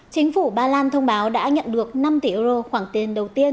chính phủ ba lan thông báo đã nhận được năm tỷ euro khoảng tiền đầu tiên